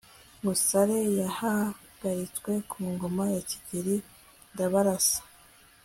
musare yahagaritswe ku ngoma ya kigeri ndabarasa